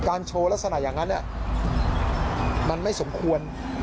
โชว์ลักษณะอย่างนั้นมันไม่สมควร